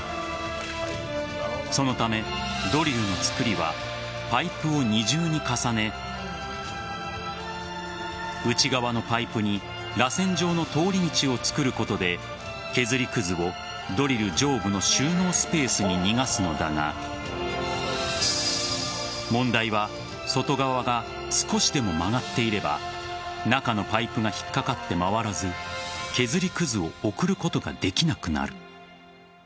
そのため、ドリルの作りはパイプを二重に重ね内側のパイプにらせん状の通り道を作ることで削りくずをドリル上部の収納スペースに逃がすのだが問題は外側が少しでも曲がっていれば中のパイプが引っかかって回らず削りくずを送ることができなくなる。